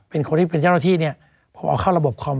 เป็นเจ้าหน้าที่เนี่ยผมเอาเข้าระบบคอม